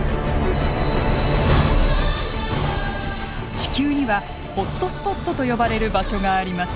地球にはホットスポットと呼ばれる場所があります。